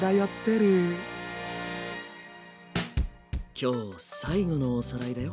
今日最後のおさらいだよ。